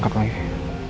gak dianggap lagi